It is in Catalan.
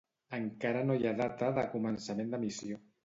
Encara no hi ha data de començament d'emissió.